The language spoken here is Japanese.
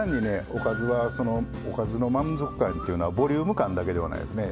おかずはそのおかずの満足感というのはボリューム感だけではないですね。